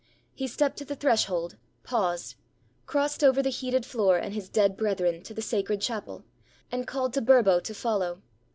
He stepped to the threshold, paused, crossed over the heated floor and his dead brethren to the sacred chapel, and called to Burbo to follow.